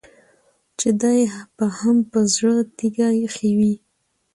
چې دې به هم په زړه تيږه اېښې وي.